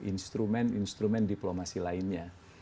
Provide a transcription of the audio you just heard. instrumen instrumen diplomasi lainnya